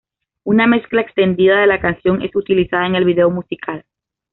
Una mezcla extendida de la canción es utilizada en el video musical.